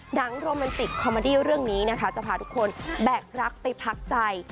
โรแมนติกคอมเมอดี้เรื่องนี้นะคะจะพาทุกคนแบกรักไปพักใจ